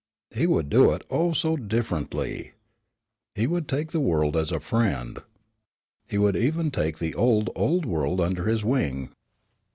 He would do it, oh, so differently. He would take the world as a friend. He would even take the old, old world under his wing.